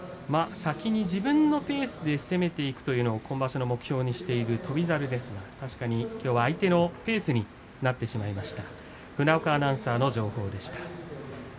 先に自分のペースで攻めていくというのを今場所の目標にしている翔猿ですがきょうは相手のペースになってしまいました。